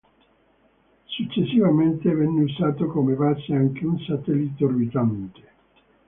Successivamente venne usato come base anche un satellite orbitante.